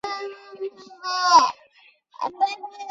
这些画是中国最著名的肖像画之一。